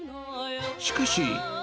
しかし。